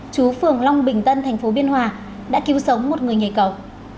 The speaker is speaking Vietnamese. chú phường long bình tân tp biên hòa đã cứu sống một người nhảy cầu